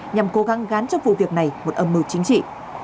nhằm cố gắng gán cho vụ việc này một âm mưu chính trị